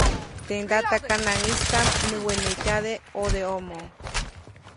Teʼ ndatakanaŋʼistaʼm näwenetyade ʼodeʼomo.